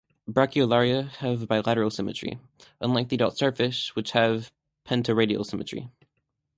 Brachiolaria have bilateral symmetry, unlike the adult starfish, which have a pentaradial symmetry.